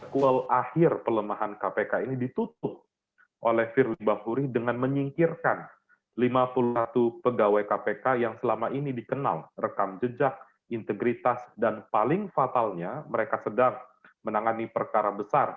kual akhir pelemahan kpk ini ditutup oleh firly bahuri dengan menyingkirkan lima puluh satu pegawai kpk yang selama ini dikenal rekam jejak integritas dan paling fatalnya mereka sedang menangani perkara besar